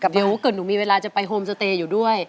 เดี๋ยวเกิดหนูมีเวลาจะไปโฮมสเตย์อยู่ด้วย